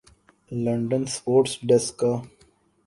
London sports ڈیسکا